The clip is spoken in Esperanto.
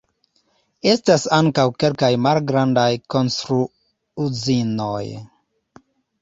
Estas ankaŭ kelkaj malgrandaj konstru-uzinoj.